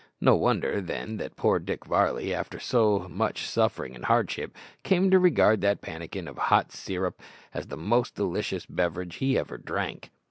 No wonder then that poor Dick Varley, after so much suffering and hardship, came to regard that pannikin of hot sirup as the most delicious beverage he ever drank.